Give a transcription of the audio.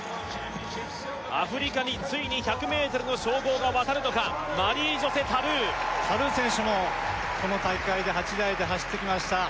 アフリカについに１００ｍの称号が渡るのかマリージョゼ・タルータルー選手もこの大会で８台で走ってきました